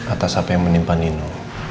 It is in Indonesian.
atas apa yang menimpa nino